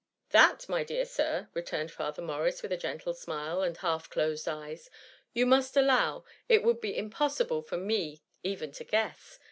"^" That, my dear Sir,'' returned Father Morris, with a gentle smile, and half closed eyes, ^' you must allow, it would be impossible for me even to guess.